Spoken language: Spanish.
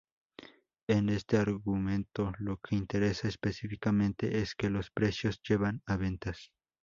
En este argumento, lo que interesa específicamente es que los precios llevan a ventas.